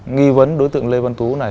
nghi vấn đối tượng lê văn tú này